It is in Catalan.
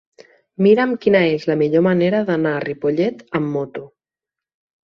Mira'm quina és la millor manera d'anar a Ripollet amb moto.